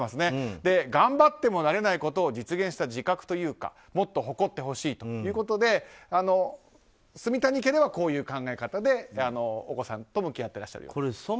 頑張ってもなれないことを実現した自覚というかもっと誇ってほしいということで住谷家ではこういう考え方でお子さんと向き合っていらっしゃるようです。